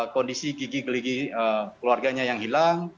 kondisi gigi gigi keluarganya yang hilang